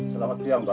selamat siang pak